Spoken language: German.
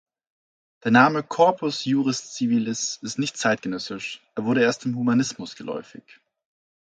Der Name "Corpus Iuris Civilis" ist nicht zeitgenössisch; er wurde erst im Humanismus geläufig.